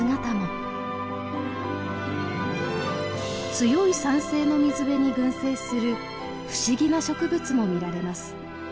強い酸性の水辺に群生する不思議な植物も見られます。